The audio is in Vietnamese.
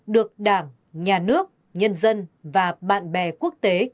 được đảng nhà nước nhân dân và bạn bè của chúng ta